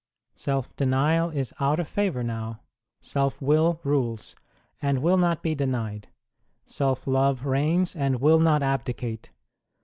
Self denial is out of favour now. Self will rules, and will not be denied ; self love reigns, and will not abdicate.